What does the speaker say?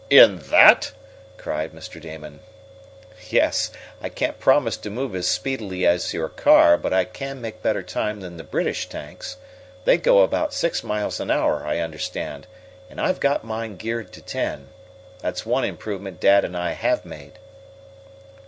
"In that?" cried Mr. Damon. "Yes. I can't promise to move as speedily as your car, but I can make better time than the British tanks. They go about six miles an hour, I understand, and I've got mine geared to ten. That's one improvement dad and I have made."